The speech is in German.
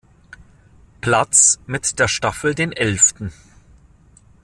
Platz, mit der Staffel den Elften.